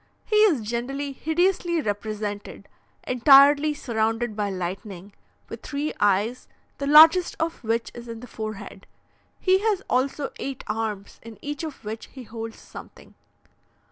He is generally hideously represented, entirely surrounded by lightning, with three eyes, the largest of which is in the forehead; he has also eight arms, in each of which he holds something.